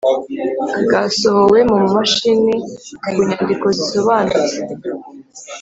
bwasohowe mu mashini kunyandiko zisobanutse